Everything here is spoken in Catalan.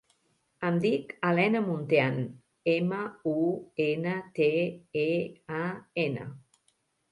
Em dic Elena Muntean: ema, u, ena, te, e, a, ena.